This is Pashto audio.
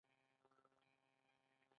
د ګلکسي شیدې لار شاوخوا سل ملیارده ستوري لري.